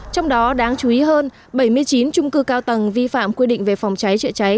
trong đó đáng chú ý hơn bảy mươi chín trung cư cao tầng vi phạm quy định về phòng cháy chữa cháy